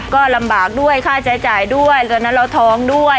ก็ลำบากด้วยค่าใช้จ่ายด้วยตอนนั้นเราท้องด้วย